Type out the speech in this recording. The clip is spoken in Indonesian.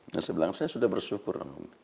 nah saya bilang saya sudah bersyukur